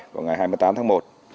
vào ngày hai mươi tám tháng một